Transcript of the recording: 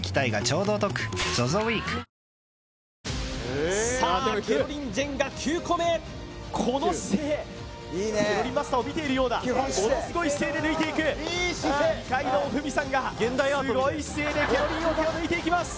わぁさあケロリンジェンガ９個目この姿勢ケロリンマスターを見ているようだものすごい姿勢で抜いていく二階堂ふみさんがすごい姿勢でケロリン桶を抜いていきます